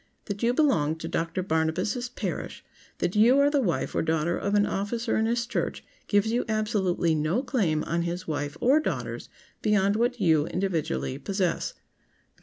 That you belong to Doctor Barnabas' parish, that you are the wife or daughter of an officer in his church, gives you absolutely no claim on his wife or daughters beyond what you, individually, possess.